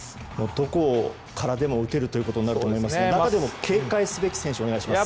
どこからでも打てるということになると思いますが中でも警戒すべき選手お願いします。